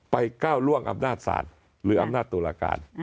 ก้าวล่วงอำนาจศาลหรืออำนาจตุลาการ